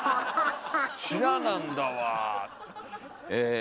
知らなんだわ。